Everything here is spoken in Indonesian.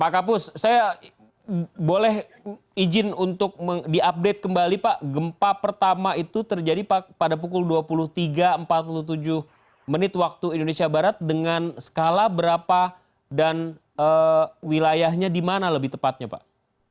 pak kapus saya boleh izin untuk diupdate kembali pak gempa pertama itu terjadi pada pukul dua puluh tiga empat puluh tujuh menit waktu indonesia barat dengan skala berapa dan wilayahnya di mana lebih tepatnya pak